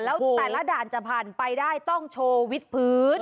แล้วแต่ละด่านจะผ่านไปได้ต้องโชว์วิทพื้น